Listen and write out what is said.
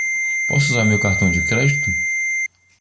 Posso usar meu cartão de crédito?